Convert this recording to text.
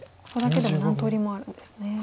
ここだけでも何通りもあるんですね。